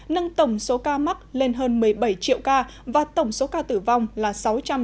nâng tổng số ca mắc lên hơn một mươi bảy triệu ca và tổng số ca tử vong là sáu trăm sáu mươi tám bảy trăm bảy mươi chín ca